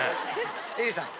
えりさん。